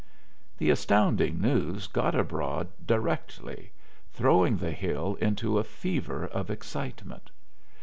The astounding news got abroad directly, throwing the Hill into a fever of excitement.